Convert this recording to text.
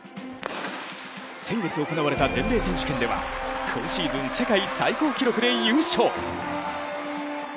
先月行われた全米選手権では、今シーズン世界最高記録で優勝。